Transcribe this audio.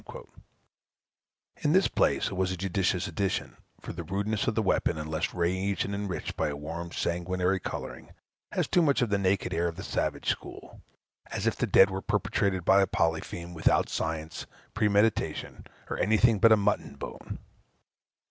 In this place it was a judicious addition; for the rudeness of the weapon, unless raised and enriched by a warm, sanguinary coloring, has too much of the naked air of the savage school; as if the deed were perpetrated by a Polypheme without science, premeditation, or anything but a mutton bone.